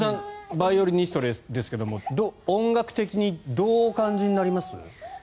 バイオリニストですが音楽的にどうお感じになります？